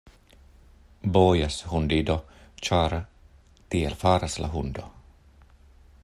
Bojas hundido, ĉar tiel faras la hundo.